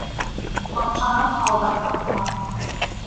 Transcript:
Батшанан һалдат артмаҫ.